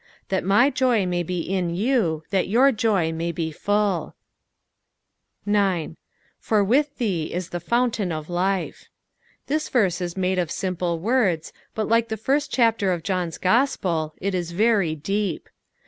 " That my joy may be in you, that your joy may be full." 9. " For with thee it the fountain ofl\fe." This verse Is made of simple words, bat like the first chapter of John's Gospel, it is very deep.